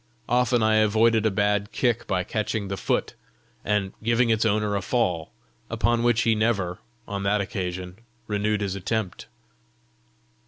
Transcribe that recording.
Often I avoided a bad kick by catching the foot and giving its owner a fall, upon which he never, on that occasion, renewed his attempt.